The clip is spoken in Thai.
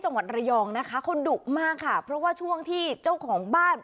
จังหวัดระยองนะคะเขาดุมากค่ะเพราะว่าช่วงที่เจ้าของบ้าน